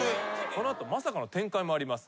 この後まさかの展開もあります。